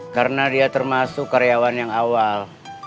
karena dia termasuk karyawan yang awal